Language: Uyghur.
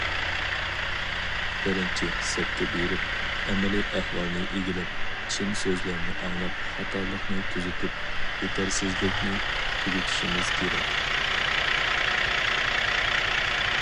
بىرىنچى سەپكە بېرىپ، ئەمەلىي ئەھۋالنى ئىگىلەپ، چىن سۆزلەرنى ئاڭلاپ، خاتالىقنى تۈزىتىپ، يېتەرسىزلىكنى تۈگىتىشىمىز كېرەك.